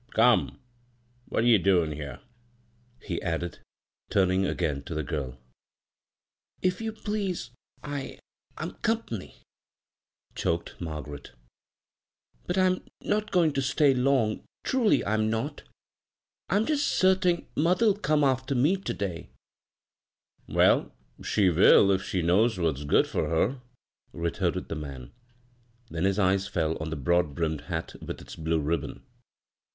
Come, what ye doin' here?" he added, turning again to the giri. If you please, I — I'm comp'ny," dioked rgareL " But I'm not going to stay long 43 b, Google CROSS CURRENTS — truly I'm not I I'm just certing motber'll 03me after me to day." " Well, she will if she knows what* s good for her," retorted the man ; then his eyes fell on the broad brimmed hat with its blue rib bons.